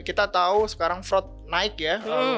kita tahu sekarang fraud naik ya